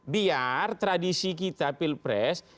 biar tradisi kita pilpres